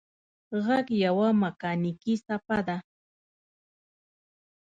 غږ یوه مکانیکي څپه ده.